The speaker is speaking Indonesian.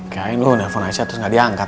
kayain lu nelfon aisyah terus gak diangkat